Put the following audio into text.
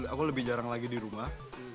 aku lebih jarang lagi di rumah